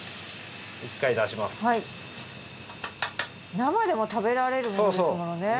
生でも食べられるものですもんね。